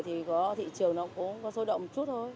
thì thị trường nó cũng có sôi động một chút thôi